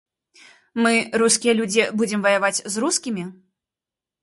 Мы, рускія людзі, будзем ваяваць з рускімі?